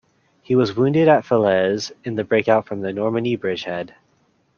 He was wounded at Falaise in the breakout from the Normandy bridgehead.